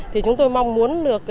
thì chúng tôi mong muốn được